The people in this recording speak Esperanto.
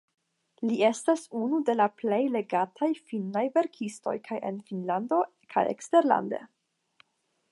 Li estas unu de la plej legataj finnaj verkistoj kaj en Finnlando kaj eksterlande.